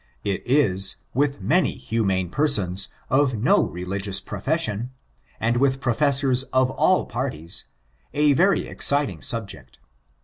It is, with many humane persons, of no religious profession, and with professors of all parties, a very exciting subject.